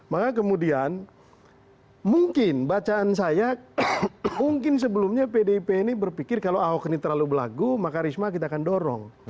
maka kemudian mungkin bacaan saya mungkin sebelumnya pdip ini berpikir kalau ahok ini terlalu berlagu maka risma kita akan dorong